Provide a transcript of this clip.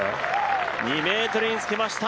２ｍにつけました！